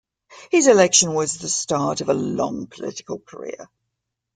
His election was the start of a long political career.